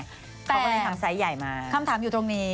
เขาก็เลยทำไซส์ใหญ่มาคำถามอยู่ตรงนี้